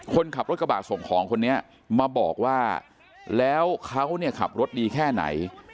คนขับรถกระบะส่งของคนนี้มาบอกว่าแล้วเขาเนี่ยขับรถดีแค่ไหน